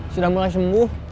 sudah mulai sembuh